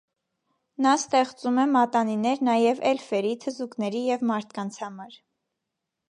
Նա ստեղծում է մատանիներ նաև էլֆերի, թզուկների և մարդկանց համար։